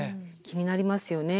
気になりますよね。